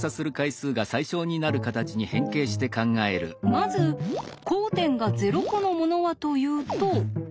まず交点が０コのものはというとはいこれ。